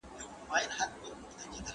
دا وخت له هغه ښه دی